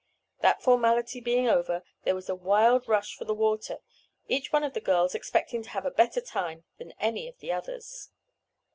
That formality being over there was a wild rush for the water, each one of the girls expecting to have a better time than any of the others.